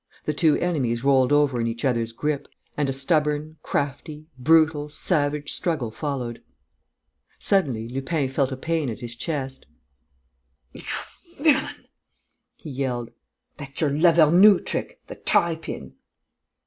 The two enemies rolled over in each other's grip; and a stubborn, crafty, brutal, savage struggle followed. Suddenly, Lupin felt a pain at his chest: "You villain!" he yelled. "That's your Lavernoux trick; the tie pin!"